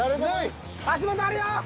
足元あるよ。